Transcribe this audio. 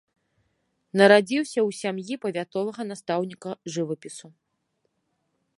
Нарадзіўся ў сям'і павятовага настаўніка жывапісу.